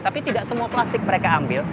tapi tidak semua plastik mereka ambil